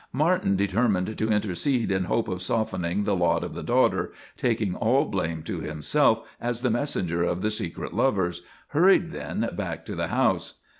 Martin, determined to intercede in hope of softening the lot of the daughter, taking all blame to himself as the messenger of the secret lovers, hurried then, back to the house.